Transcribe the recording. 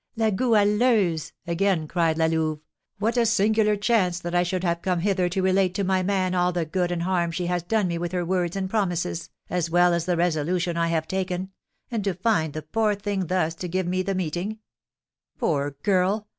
"La Goualeuse!" again cried La Louve. "What a singular chance that I should have come hither to relate to my man all the good and harm she has done me with her words and promises, as well as the resolution I have taken, and to find the poor thing thus to give me the meeting! Poor girl!